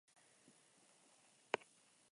Musika klasikoa ez ezik, egungo musika ere landu du.